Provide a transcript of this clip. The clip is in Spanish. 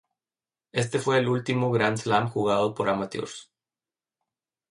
Este fue el último Grand Slam jugado por amateurs.